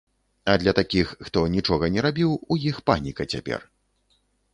А для такіх, хто нічога не рабіў, у іх паніка цяпер.